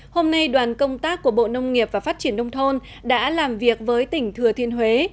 hôm nay đoàn công tác của bộ nông nghiệp và phát triển nông thôn đã làm việc với tỉnh thừa thiên huế